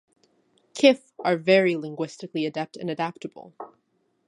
Kif are very linguistically adept and adaptable.